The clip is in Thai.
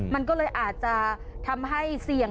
มันก็เลยอาจจะทำให้เสี่ยง